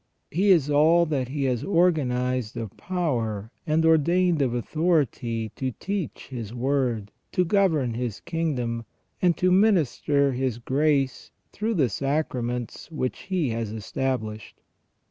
He is all that He has organized of power and ordained of authority to teach His word, to govern His kingdom, and to minister His grace through the sacraments which He has established.